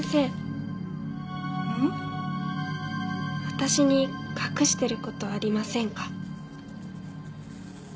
私に隠してる事ありませんか？